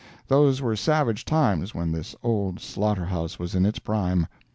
Those were savage times when this old slaughter house was in its prime.